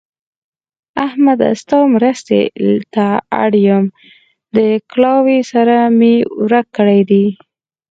احمده! ستا مرستې ته اړ يم؛ د کلاوې سر مې ورک کړی دی.